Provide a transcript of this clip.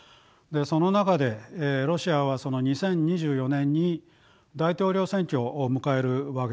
その中でロシアは２０２４年に大統領選挙を迎えるわけですね。